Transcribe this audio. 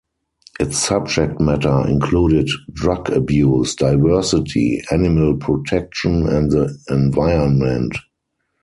Its subject matter included drug abuse, diversity, animal protection, and the environment.